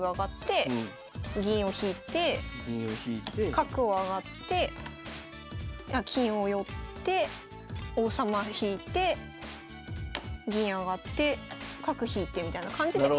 角を上がって金を寄って王様引いて銀上がって角引いてみたいな感じで。